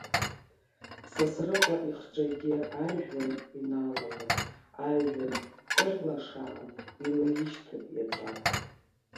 Сасрыҟәа ихҿагьы ажәҩан иналалап, ажәҩан ҵырлашаан илеишьҭып еҵәак.